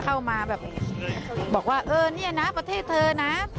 เข้ามาแบบบอกว่าเออเนี่ยนะประเทศเธอนะ